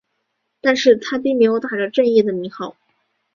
但是他并没有打着正义的名号。